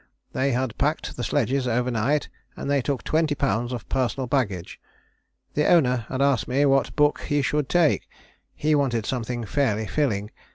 They had packed the sledges overnight, and they took 20 lbs. personal baggage. The Owner had asked me what book he should take. He wanted something fairly filling.